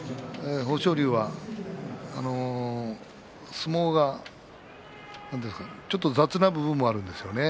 豊昇龍は相撲がちょっと雑な部分もあるんですね。